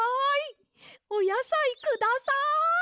おやさいください！